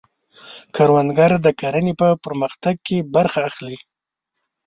کروندګر د کرنې په پرمختګ کې برخه اخلي